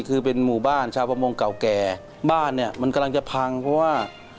คือเป็นหมู่บ้านชาวประมงเก่าแก่บ้านเนี่ยมันกำลังจะพังเพราะว่า